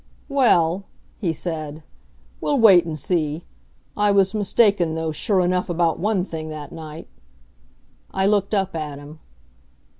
"Well," he said, "we'll wait and see... I was mistaken, though, sure enough, about one thing that night." I looked up at him.